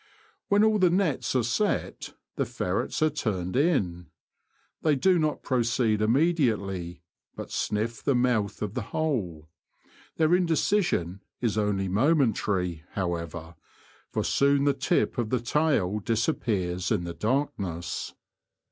When all the nets are set the ferrets are turned in. They do not proceed immediately, but sniff the mouth of the hole ; their inde cision is only momentary, however, for soon the tip of the tail disappears in the darkness.